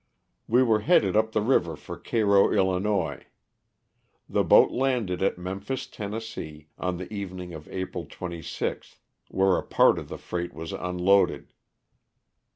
We were headed up the river for Cairo, 111. The boat landed at Memphis, Tenn., on the evening of April 26, where a part of the freight was unloaded.